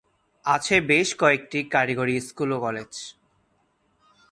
আছে বেশ কয়েকটি কারিগরি স্কুল ও কলেজ।